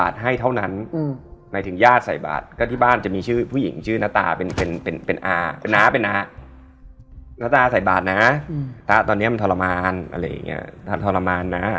เราก็รู้อยู่แล้วว่า